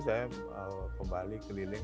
saya kembali keliling